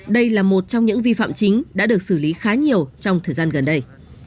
đây là một trong những vi phạm chính đã được xử lý khá nhiều trong thời gian gần đây